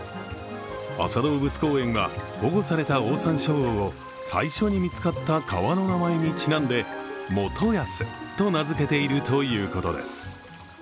安佐動物公園は保護されたオオサンショウウオを最初に見つかった川の名前にちなんでモトヤスと名付けているということです。